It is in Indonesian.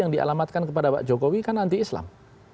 yang dialamatkan kepada pak jokowi kan anti islam